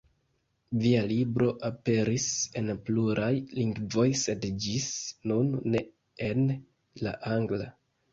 Via libro aperis en pluraj lingvoj, sed ĝis nun ne en la angla.